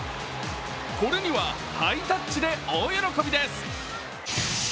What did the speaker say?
これにはハイタッチで大喜びです。